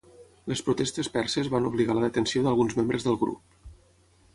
Les protestes perses van obligar a la detenció d'alguns membres del grup.